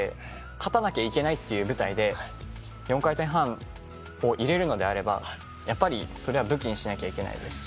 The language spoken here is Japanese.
勝たなきゃいけないっていう舞台で４回転半を入れるのであればやっぱりそれは武器にしなきゃいけないですし。